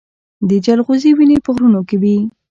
د جلغوزي ونې په غرونو کې وي